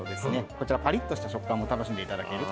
こちらパリッとした食感も楽しんでいただける。